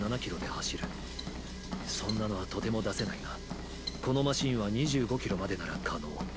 そんなのはとても出せないがこのマシンは２５．０ｋｍまでなら可能。